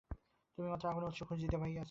তুমি মাত্রই আগুনের উৎস খুঁজে পেয়েছো।